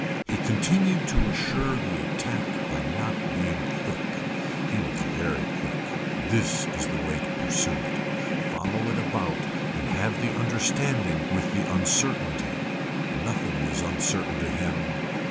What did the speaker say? He continued to assure the attack by not being quick. He was very quick. This is the way to pursue it. Follow it about and have the understanding with the uncertainty. Nothing is uncertain to him.